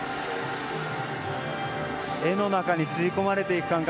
絵の中に吸い込まれていく感覚。